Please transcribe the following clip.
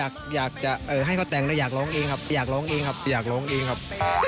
ก็อยากให้เค้าแต่งแต่อยากร้องเองครับ